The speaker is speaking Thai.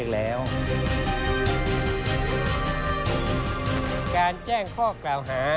ส่วนต่างกระโบนการ